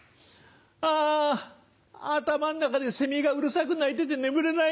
あ頭ん中でセミがうるさく鳴いてて眠れないよ。